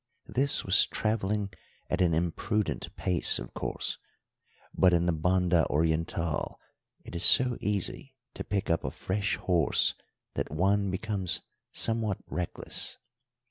This was travelling at an imprudent pace, of course; but in the Banda Orientál it is so easy to pick up a fresh horse that one becomes somewhat reckless.